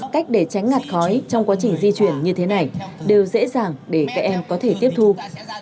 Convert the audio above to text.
cách để tránh ngạt khói trong quá trình di chuyển như thế này đều dễ dàng để các em có thể tiếp thu